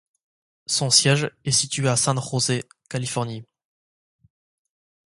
Son siège est situé à San José, Californie.